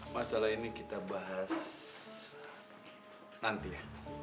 masalah ini kita bahas nanti ya